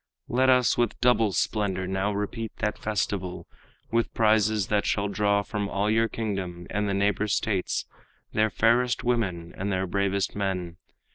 Let us with double splendor now repeat That festival, with prizes that shall draw From all your kingdom and the neighbor states Their fairest women and their bravest men.